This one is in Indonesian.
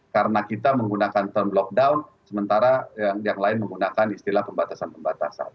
karena kita menggunakan term lockdown sementara yang lain menggunakan istilah pembatasan pembatasan